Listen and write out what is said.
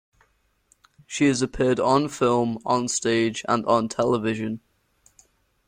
She has appeared on film, on stage and on television.